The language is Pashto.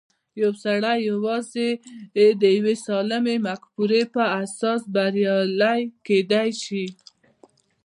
يو سړی يوازې د يوې سالمې مفکورې پر اساس بريالی کېدای شي.